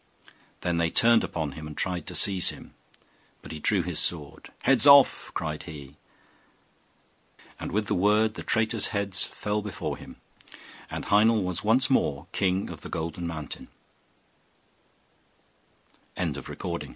Then they turned upon him and tried to seize him; but he drew his sword. 'Heads Off!' cried he; and with the word the traitors' heads fell before him, and Heinel was once more king of the Golden